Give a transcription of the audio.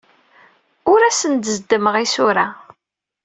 Ur asen-d-zeddmeɣ isura.